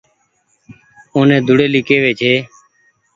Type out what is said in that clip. اوني ۮوڙيلي ڪيوي ڇي